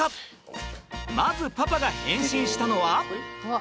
まずパパが変身したのは？